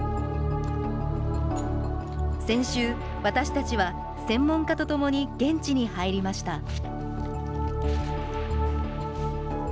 先週、私たちは専門家と共に現地に入りました。